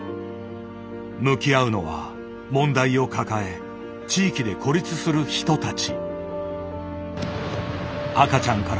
向き合うのは問題を抱え地域で孤立する人たち。